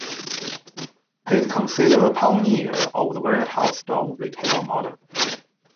He is considered a pioneer of the "warehouse store" retail model.